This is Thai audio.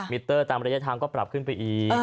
เตอร์ตามระยะทางก็ปรับขึ้นไปอีก